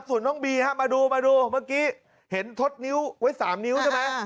ส่วนน้องบีฮะมาดูมาดูเมื่อกี้เห็นทดนิ้วไว้๓นิ้วใช่ไหม